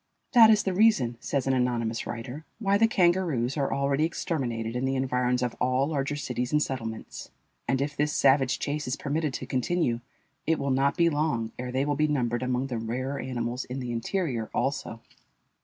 "That is the reason," says an anonymous writer, "why the kangaroos are already exterminated in the environs of all larger cities and settlements; and if this savage chase is permitted to continue, it will not be long ere they will be numbered among the rarer animals in the interior also."